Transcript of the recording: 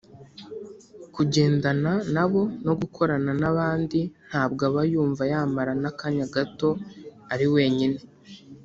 kujyendana nabo no gukorana n’abandi ntabwo aba yumva yamara n’akanya gato ari wenyine